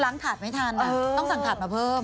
ถาดไม่ทันต้องสั่งถาดมาเพิ่ม